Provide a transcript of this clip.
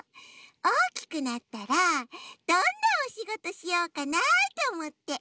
おおきくなったらどんなおしごとしようかなとおもって。